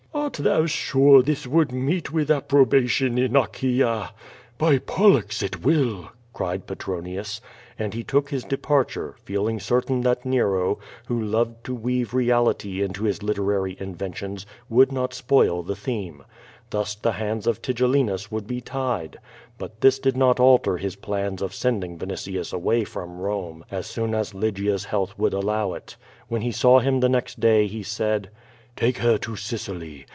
"Art thou sure this would meet with approbation in Achaea?" By Pollux! it will," cried Petronius. And he took his de parture, feeling certain that Nero, who loved to weave reality into his literary iuA'^entions, would not spoil the theme. Thus the hands of Tigellinus would be tied. But this did not alter his plans of sending Vinitius away from Rome as soon as Ly gia's health would allow it. When he saw him the next day he said: "Take her to Sicily.